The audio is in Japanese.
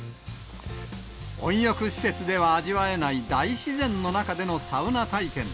温浴施設では味わえない、大自然の中でのサウナ体験。